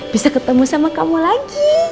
bisa ketemu sama kamu lagi